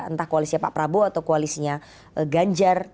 entah koalisnya pak prabowo atau koalisnya ganjar